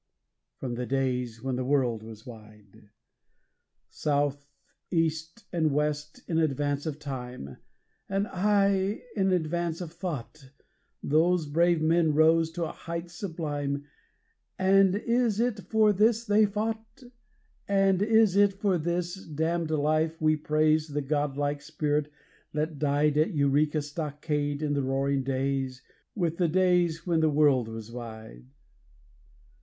from the days when the world was wide. South, East, and West in advance of Time and, ay! in advance of Thought Those brave men rose to a height sublime and is it for this they fought? And is it for this damned life we praise the god like spirit that died At Eureka Stockade in the Roaring Days with the days when the world was wide?